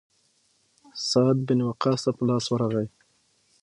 سعد بن وقاص ته په لاس ورغی.